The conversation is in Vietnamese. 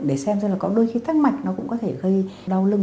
để xem xem là có đôi khi tắc mạch nó cũng có thể gây đau lưng